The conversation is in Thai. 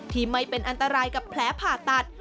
ที่ไม่เป็นอันตรายกับแผลผ่าตัด